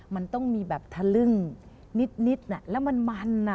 มันต้องมีแบบทะลึ่งนิดแล้วมัน